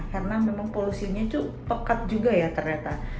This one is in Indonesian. karena memang polusinya tuh pekat juga ya ternyata